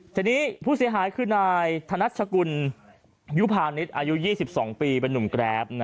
ทีนี้ผู้เสียหายคือนายธนัชกุลยุพาณิชย์อายุ๒๒ปีเป็นนุ่มแกรป